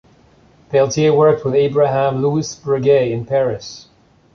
Peltier worked with Abraham Louis Breguet in Paris.